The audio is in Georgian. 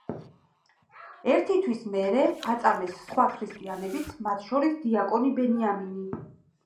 ერთი თვის მერე აწამეს სხვა ქრისტიანებიც, მათ შორის დიაკონი ბენიამინი.